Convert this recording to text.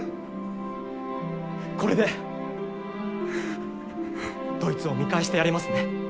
これでドイツを見返してやれますね。